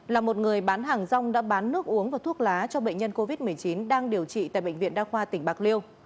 là một người bán hàng rong đã bán nước uống và thuốc lá cho bệnh nhân covid một mươi chín đang điều trị tại bệnh viện đa khoa tỉnh bạc liêu